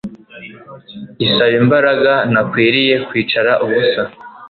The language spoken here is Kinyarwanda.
isaba imbaraga Ntakwiriye kwicara ubusa